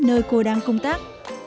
nơi cô đang công tác